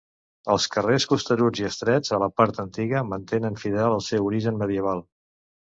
Els carrers costeruts i estrets a la part antiga, mantenen fidel el seu origen medieval.